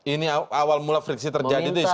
ini awal mula friksi terjadi seperti ini ya